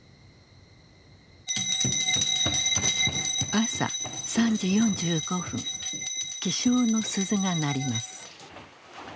朝３時４５分起床の鈴が鳴ります。